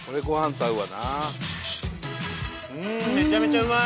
めちゃめちゃうまい！